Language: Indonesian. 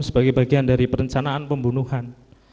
sebagai bagian dari perencanaan pembunuhan